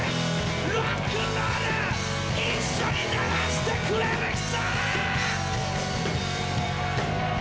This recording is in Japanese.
ロックンロール一緒に鳴らしてくれる人！